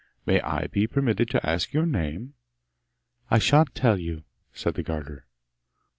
May I be permitted to ask your name?' 'I shan't tell you,' said the garter.